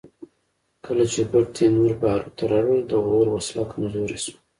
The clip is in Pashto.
کله چې ګوډ تیمور باروت راوړل د غور وسله کمزورې شوه